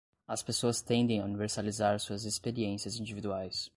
As pessoas tendem a universalizar suas experiências individuais